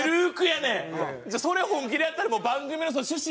それ本気でやったら番組の趣旨。